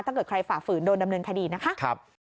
ถ้าเกิดใครฝ่าฝืนโดนดำเนินคดีนะคะ